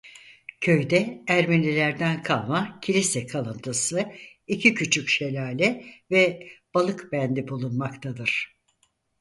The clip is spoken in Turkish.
Köyde Ermenilerden kalma kilise kalıntısı iki küçük şelale ve balık bendi bulunmaktadır.